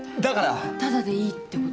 タダでいいってこと？